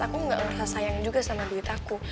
aku gak merasa sayang juga sama duit aku